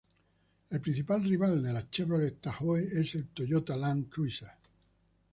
El principal rival de la Chevrolet Tahoe es el Toyota Land Cruiser.